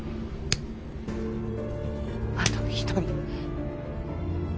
あと１人。